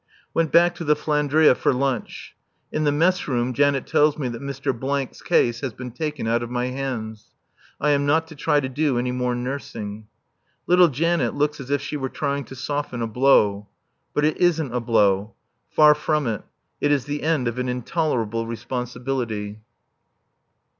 Went back to the "Flandria" for lunch. In the mess room Janet tells me that Mr. 's case has been taken out of my hands. I am not to try to do any more nursing. Little Janet looks as if she were trying to soften a blow. But it isn't a blow. Far from it. It is the end of an intolerable responsibility.